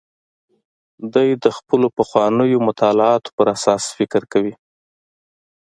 دی د خپلو پخوانیو مطالعاتو پر اساس فکر کوي.